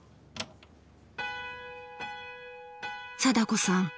貞子さん